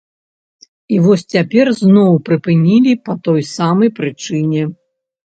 І вось цяпер зноў прыпынілі па той самай прычыне.